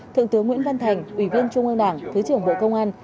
thượng tướng nguyễn văn thành ủy viên trung ương đảng thứ trưởng bộ công an